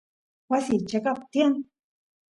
wasiy cheqap tiyan